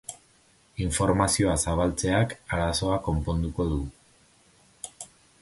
Informazioa zabaltzeak arazoa konponduko du.